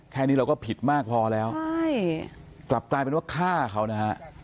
แค่นี้เราก็ผิดมากพอแล้วใช่กลับกลายเป็นว่าฆ่าเขานะฮะ